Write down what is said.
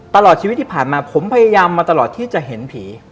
ตลอดชีวิตที่ผ่านมาผมพยายามมาตลอดที่จะเห็นผี